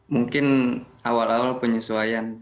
mungkin awal awal penyesuaian